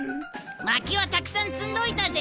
まきはたくさん積んどいたぜ！